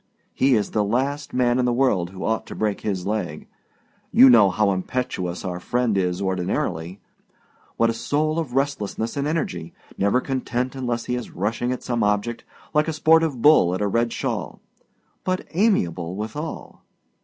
He is the last man in the world who ought to break his leg. You know how impetuous our friend is ordinarily, what a soul of restlessness and energy, never content unless he is rushing at some object, like a sportive bull at a red shawl; but amiable withal.